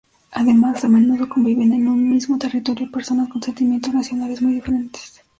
Además, a menudo conviven en un mismo territorio personas con sentimientos nacionales muy diferentes.